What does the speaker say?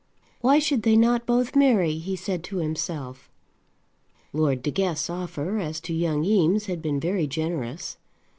"Why should they not both marry?" he said to himself. Lord De Guest's offer as to young Eames had been very generous.